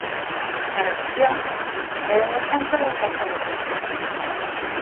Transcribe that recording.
La recesión es un ejemplo de un factor económico.